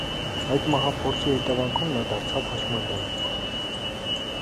Այդ մահափորձի հետևանքով նա դարձավ հաշմանդամ։